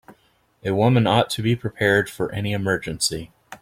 A woman ought to be prepared for any emergency.